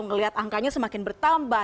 ngelihat angkanya semakin bertambah